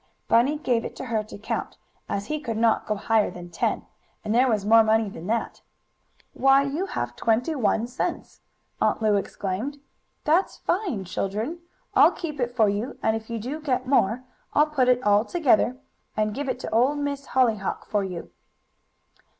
Bunny gave it to her to count, as he could not go higher than ten, and there was more money than that. "Why you have twenty one cents!" Aunt Lu exclaimed. "That's fine, children! I'll keep it for you, and if you do get more I'll put it all together, and give it to Old Miss Hollyhock for you."